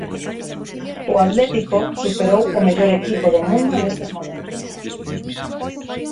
O Atlético superou o mellor equipo do mundo nestes momentos.